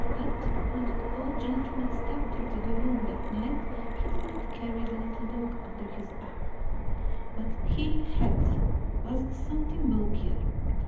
But when the old gentleman stepped into the room that night he did not carry the little dog under his arm; what he had was something bulkier.